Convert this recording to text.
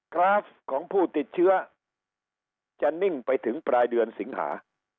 กราฟของผู้ติดเชื้อจะนิ่งไปถึงปลายเดือนสิงหา